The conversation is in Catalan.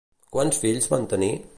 Quants fills van tenir?